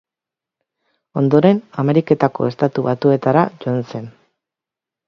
Ondoren Ameriketako Estatu Batuetara joan zen.